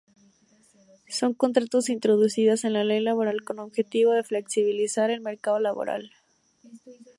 Son contratos introducidas en la ley laboral con objetivo de "flexibilizar" el mercado laboral.